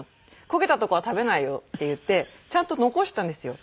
「焦げたとこは食べないよ」って言ってちゃんと残したんですよ。